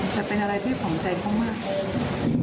แต่เป็นอะไรที่ผอมใจเขามาก